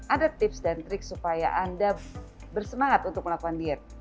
ada tips dan trik supaya anda bersemangat untuk melakukan diet